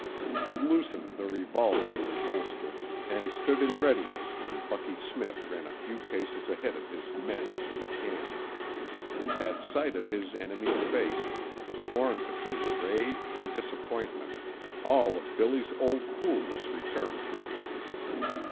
He loosened the revolver in his holster, and stood in readiness when Bucky Smith ran a few paces ahead of his men into the camp. At sight of his enemy's face, torn between rage and disappointment, all of Billy's old coolness returned to him.